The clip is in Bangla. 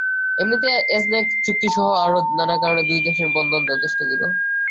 এমনিতেই অ্যাজনেক চুক্তিসহ আরও নানা কারণে দুই দেশের বন্ধন যথেষ্ট দৃঢ়।